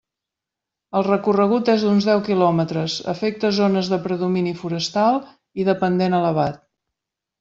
El recorregut és d'uns deu quilòmetres, afecta zones de predomini forestal i de pendent elevat.